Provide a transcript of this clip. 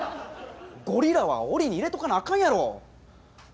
ゴリラは檻に入れとかなあかんやろ。